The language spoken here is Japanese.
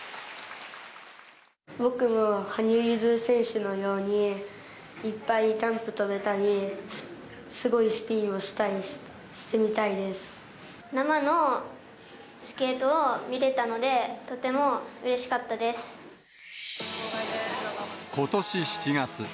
僕も羽生結弦選手のように、いっぱいジャンプ跳べたり、生のスケートを見れたので、ことし７月。